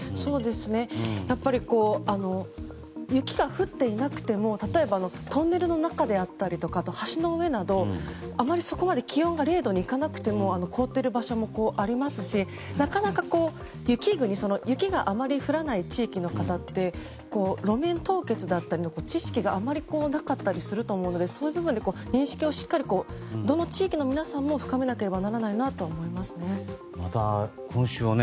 やっぱり雪が降っていなくても例えばトンネルの中であったりあとは橋の上など、あまりそこまで気温が０度に行かなくても凍っている場所もありますしなかなか雪があまり降らない地域の方って路面凍結だったりの知識があまりなかったりすると思うのでそういう部分で、認識をしっかりどの地域の皆さんも深めなければならないなとは思いますね。